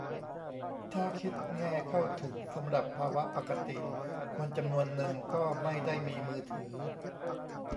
ถ้าคิดแง่ "เข้าถึง" สำหรับภาวะปกติ คนจำนวนนึงก็ไม่ได้มีมือถือ